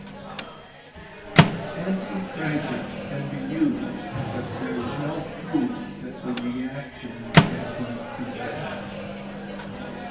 Antipreytic can be used, but there is no proof that the reaction can be prevent.